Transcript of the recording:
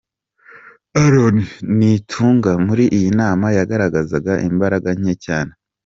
Aaron Nitunga muri iyi nama yagaragazaga imbaraga nke cyane.